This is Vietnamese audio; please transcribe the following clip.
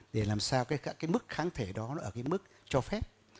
để làm sao cái mức kháng thể đó nó ở cái mức cho phép